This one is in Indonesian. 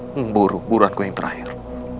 memburu buruanku yang terakhir